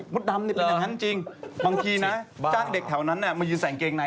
ดำเป็นอย่างนั้นจริงบางทีนะจ้างเด็กแถวนั้นมายืนใส่เกงใน